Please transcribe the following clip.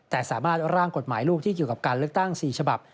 แต่สามารถร่างกฎหมายลูกที่เกี่ยวกับการเลือกตั้ง๔ฉบับ